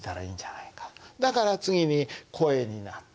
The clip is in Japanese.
だから次に声になって。